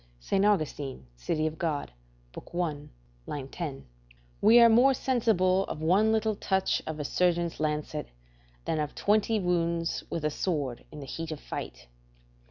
St. Augustin, De Civit. Dei, i. 10.] We are more sensible of one little touch of a surgeon's lancet than of twenty wounds with a sword in the heat of fight.